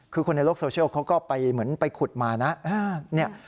คือคนในโลกโซเชียลเขาก็ไปเหมือนไปขุดมานะ